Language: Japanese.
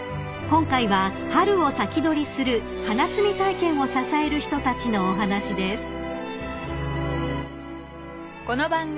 今回は春を先取りする花摘み体験を支える人たちのお話です］